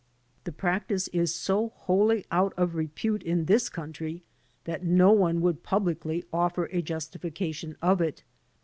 The practice is so wholly out of repute in this country that no one would publicly offer a justification of it.